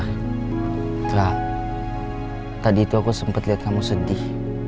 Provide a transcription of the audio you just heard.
rara tadi itu aku sempet liat kamu sedih